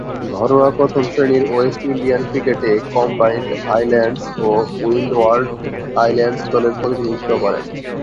ঘরোয়া প্রথম-শ্রেণীর West Indian ক্রিকেটে কম্বাইন্ড আইল্যান্ডস ও উইন্ডওয়ার্ড আইল্যান্ডস দলের প্রতিনিধিত্ব করেন।